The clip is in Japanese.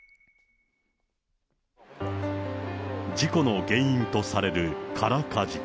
事故の原因とされる空かじ。